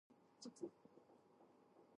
Logan agrees and fires Frank at the game.